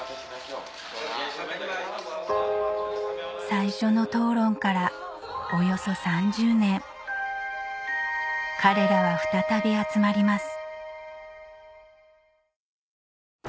最初の討論からおよそ３０年彼らは再び集まります